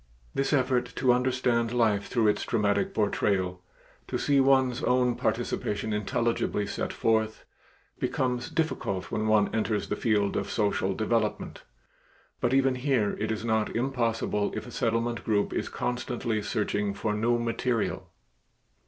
This effort to understand life through its dramatic portrayal, to see one's own participation intelligibly set forth, becomes difficult when one enters the field of social development, but even here it is not impossible if a Settlement group is constantly searching for new material.